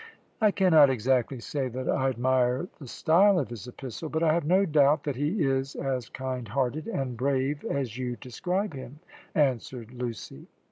"I cannot exactly say that I admire the style of his epistle, but I have no doubt that he is as kind hearted and brave as you describe him," answered Lucy.